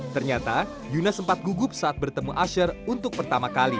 ternyata yuna sempat gugup saat bertemu asher untuk pertama kali